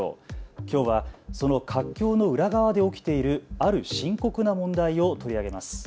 きょうはその活況の裏側で起きているある深刻な問題を取り上げます。